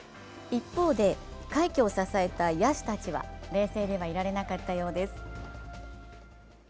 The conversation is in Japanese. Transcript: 一方で、快挙を支えた野手たちは冷静ではいられなかったようです。